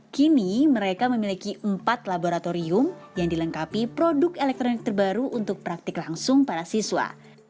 kini mereka memiliki empat laboratorium yang dilengkapi produk elektronik terbaru untuk praktik langsung para siswa